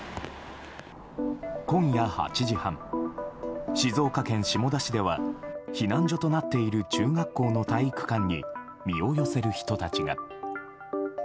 今夜８時半、静岡県下田市では避難所となっている中学校の体育館に身を寄せる人たちが。